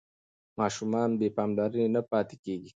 ماشومان بې پاملرنې نه پاتې کېږي.